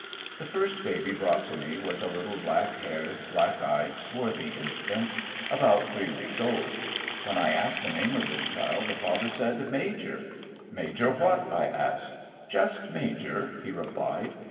The first baby brought to me was a little black haired, black eyed, swarthy infant, about three weeks old. When I asked the name of this child, the father said "Major." "Mjyor what?" I asked. "Just Major," he replied.